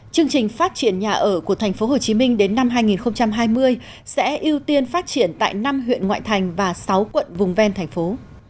chương trình phát triển nhà ở của tp hcm đến năm hai nghìn hai mươi sẽ ưu tiên phát triển tại năm huyện ngoại thành và sáu quận vùng ven thành phố